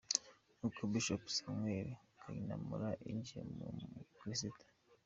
Uko Bishop Samuel Kayinamura yinjiye mu bukristu.